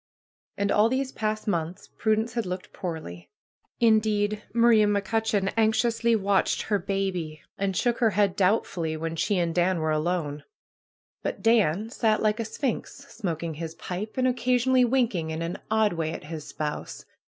And all these past months Prudence had looked poorly. Indeed, Maria McCutcheon anxiously watched her ^^baby," and shook her head doubtfully when she 210 PRUE'S GARDENER and Dan were alone. But Dan sat like a sphinx smo king his pipe, and occasionally winking in an odd way at his spouse.